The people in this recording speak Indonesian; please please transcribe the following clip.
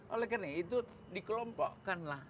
oleh karena itu dikelompokkan lah